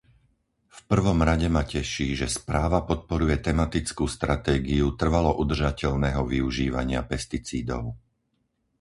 V prvom rade ma teší, že správa podporuje tematickú stratégiu trvalo udržateľného využívania pesticídov.